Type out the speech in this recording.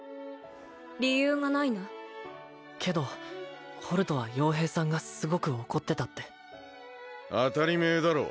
理由がないなけどホルトは傭兵さんがすごく怒ってたって当たりめえだろ